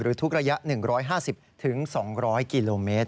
ทุกระยะ๑๕๐๒๐๐กิโลเมตร